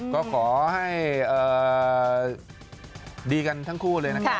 ก็ขอให้ดีกันทั้งคู่เลยนะครับ